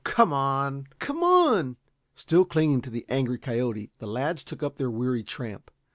"Oh, come on! Come on!" Still clinging to the angry coyote, the lads took up their weary tramp.